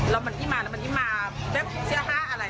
เรามันติดมาแล้วมันติดมาเบ็บเชื้อหาอะไร